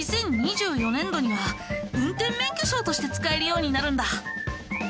２０２４年度には運転免許証として使えるようになるんだ。